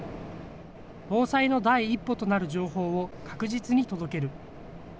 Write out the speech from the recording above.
防災の第一歩となる情報を、確実に届ける。